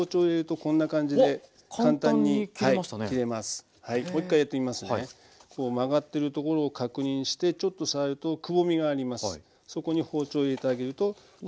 こう曲がってるところを確認してちょっと触るとくぼみがあります。